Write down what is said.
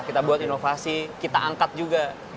kita buat inovasi kita angkat juga